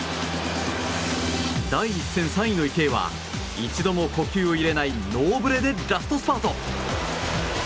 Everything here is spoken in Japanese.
第１戦、３位の池江は一度も呼吸を入れないノーブレでラストスパート。